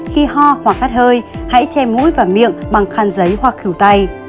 khi ho hoặc hát hơi hãy che mũi và miệng bằng khăn giấy hoặc khủ tay